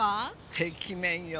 てきめんよ！